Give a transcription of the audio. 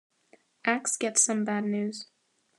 Ax gets some bad news.